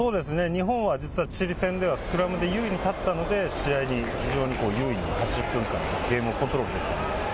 日本は実はチリ戦では、スクラムで優位に立ったので、試合に非常に優位に８０分間、ゲームをコントロールできたんです。